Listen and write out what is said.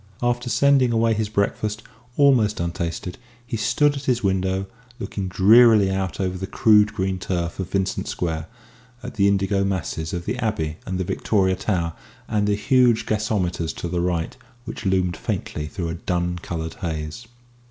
After sending away his breakfast almost untasted he stood at his window, looking drearily out over the crude green turf of Vincent Square at the indigo masses of the Abbey and the Victoria Tower and the huge gasometers to the right which loomed faintly through a dun coloured haze.